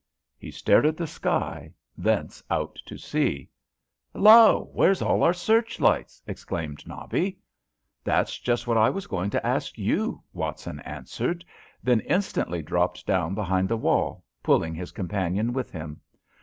He stared at the sky, thence out to sea. "Hallo, where's all our searchlights?" exclaimed Nobby. "That's just what I was going to ask you," Watson answered; then instantly dropped down behind the wall, pulling his companion with him.